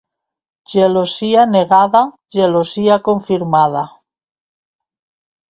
Gelosia negada, gelosia confirmada.